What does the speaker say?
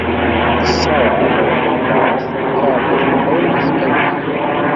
Yesserɣ Ɛemru ben Lɛaṣ tamkerḍit meqqren deg Skandarya.